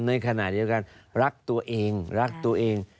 ในขณะเดียวกันรักตัวเองรักตัวเอง